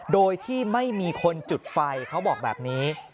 โดยที่ไม่มีคนจุดไฟเขาบอกแบบนี้